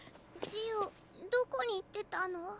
ジオどこに行ってたの？